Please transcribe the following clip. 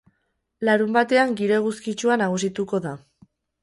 Larunbatean giro eguzkitsua nagusituko da.